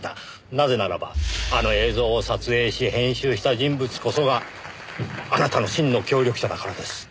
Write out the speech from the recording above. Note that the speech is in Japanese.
なぜならばあの映像を撮影し編集した人物こそがあなたの真の協力者だからです。